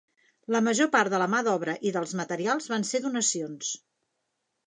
La major part de la mà d'obra i dels materials van ser donacions.